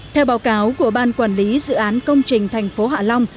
theo báo cáo của ban quản lý dự án công trình tp hạ long